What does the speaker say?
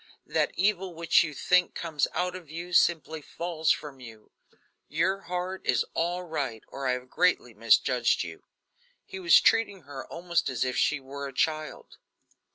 That evil which you think comes out of you, simply falls from you; your heart is all right, or I have greatly misjudged you." He was treating her almost as if she were a child.